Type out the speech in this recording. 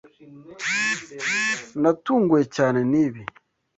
Natunguwe cyane nibi.